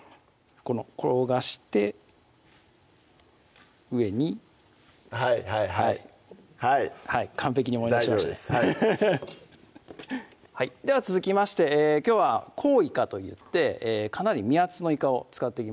転がして上にはいはいはいはい完璧に思い出しましたね大丈夫ですはいでは続きましてきょうはコウイカといってかなり身厚のいかを使っていきます